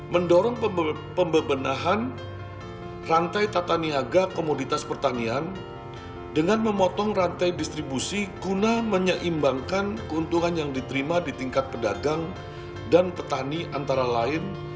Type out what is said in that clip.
mendorong pembebenahan rantai tata niaga komoditas pertanian dengan memotong rantai distribusi guna menyeimbangkan keuntungan yang diterima di tingkat pedagang dan petani antara lain